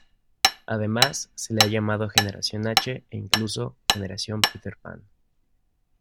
Además, se la ha llamado "generación H" e incluso "generación Peter Pan".